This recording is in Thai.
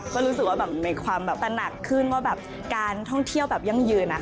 ก็รู้สึกว่าในความตะหนักขึ้นว่าการท่องเที่ยวยั่งยืน